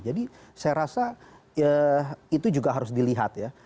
jadi saya rasa ya itu juga harus dilihat ya